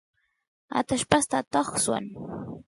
atallpasta atoq swan